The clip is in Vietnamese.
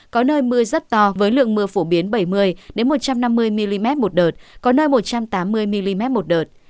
có nơi mưa rất to với lượng mưa phổ biến bảy mươi một trăm năm mươi mm một đợt có nơi một trăm tám mươi mm một đợt